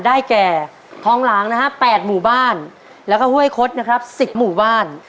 ได้แก่ทองหลางนะฮะ๘หมู่บ้านแล้วก็ห้วยคดนะครับ๑๐หมู่บ้าน